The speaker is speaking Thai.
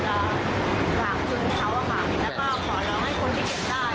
แล้วก็ขอร้องให้คนที่เก็บได้อ่ะเอามาเก็บเขาหน่อย